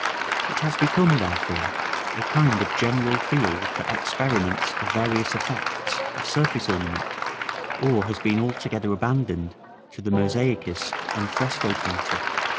It has become, therefore, a kind of general field for experiments of various effects of surface ornament, or has been altogether abandoned to the mosaicist and fresco painter.